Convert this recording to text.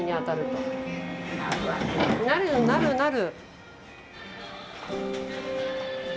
なるなるなる。